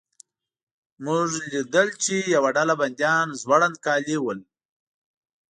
موږ لیدل چې یوه ډله بندیان زوړند کالي ول.